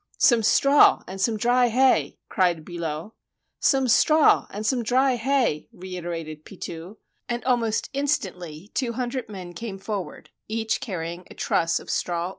"Some straw and some dry hay!" cried Billot. "Some straw and some dry hay!" reiterated Pitou, and almost instantly two hundred men came forward, each carrying a truss of straw or hay.